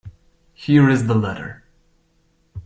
Here is the letter.